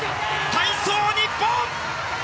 体操日本！